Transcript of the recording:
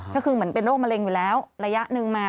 ก็คือเหมือนเป็นโรคมะเร็งอยู่แล้วระยะหนึ่งมา